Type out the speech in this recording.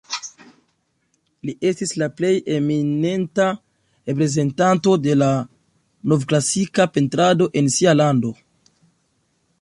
Li estis la plej eminenta reprezentanto de la novklasika pentrado en sia lando.